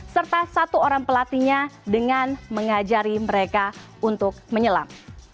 serta satu orang pelatihnya dengan mengajari mereka untuk menyelam